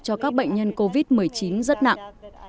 cho các bệnh nhân covid một mươi chín rất nặng